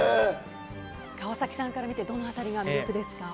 川崎さんから見てどの辺りが魅力ですか？